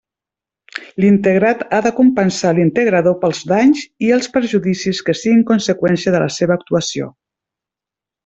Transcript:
L'integrat ha de compensar l'integrador pels danys i els perjudicis que siguin conseqüència de la seva actuació.